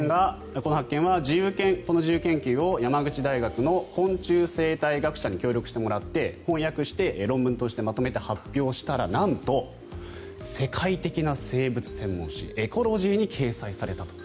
この自由研究を山口大学の昆虫生態学者に協力してもらって翻訳して、論文としてまとめて発表したらなんと世界的な生物専門誌「Ｅｃｏｌｏｇｙ」に掲載されたと。